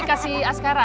ini kasih askara